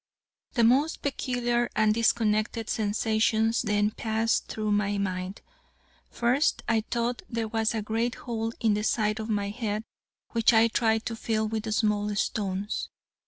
The most peculiar and disconnected sensations then passed through my mind. First I thought there was a great hole in the side of my head, which I tried to fill with small stones.